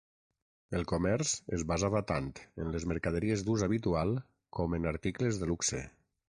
El comerç es basava tant en les mercaderies d'ús habitual com en articles de luxe.